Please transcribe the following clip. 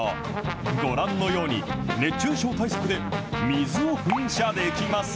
ご覧のように、熱中症対策で水を噴射できます。